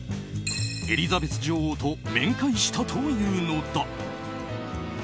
エリザベス女王と面会したというのだ。